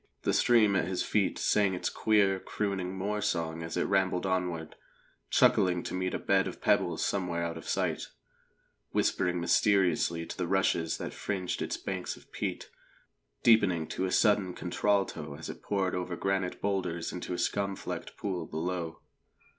The stream at his feet sang its queer, crooning moor song as it rambled onward, chuckling to meet a bed of pebbles somewhere out of sight, whispering mysteriously to the rushes that fringed its banks of peat, deepening to a sudden contralto as it poured over granite boulders into a scum flecked pool below.